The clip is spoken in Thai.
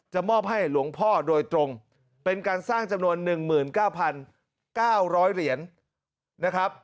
มอบให้หลวงพ่อโดยตรงเป็นการสร้างจำนวน๑๙๙๐๐เหรียญนะครับ